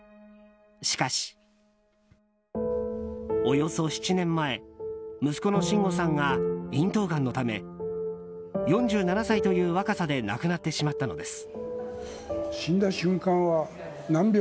しかし、およそ７年前息子の真吾さんが咽頭がんのため４７歳という若さで亡くなってしまったのです。